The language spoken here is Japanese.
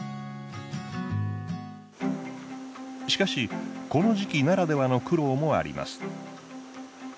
しかしこの時期ならではの苦労もあります。